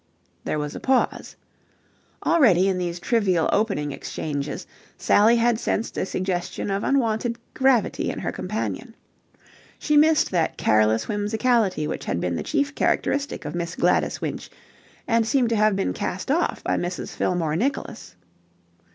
There was a pause. Already, in these trivial opening exchanges, Sally had sensed a suggestion of unwonted gravity in her companion. She missed that careless whimsicality which had been the chief characteristic of Miss Gladys Winch and seemed to have been cast off by Mrs. Fillmore Nicholas.